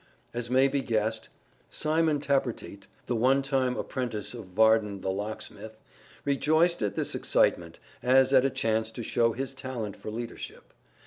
As may be guessed, Simon Tappertit, the one time apprentice of Varden the locksmith, rejoiced at this excitement as at a chance to show his talent for leadership.